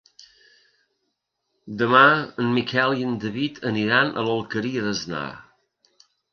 Demà en Miquel i en David aniran a l'Alqueria d'Asnar.